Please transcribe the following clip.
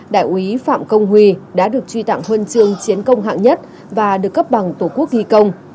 đại úy phạm công huy đã được truy tặng huân chương chiến công hạng nhất và được cấp bằng tổ quốc ghi công